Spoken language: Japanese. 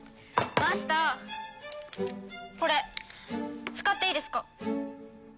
マスターこれ使っていいですか？